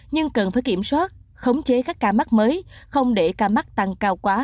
nhưng cần phải kiểm soát khống chế các ca mắc mới không để ca mắc tăng cao quá